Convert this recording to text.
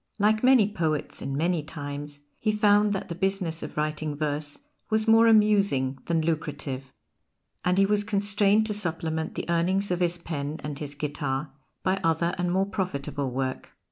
Like many poets in many times, he found that the business of writing verse was more amusing than lucrative; and he was constrained to supplement the earnings of his pen and his guitar by other and more profitable work.